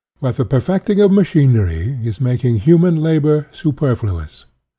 But the perfecting of machinery is the making human labor superfluous.